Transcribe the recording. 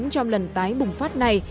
trong lần tái bùng phát này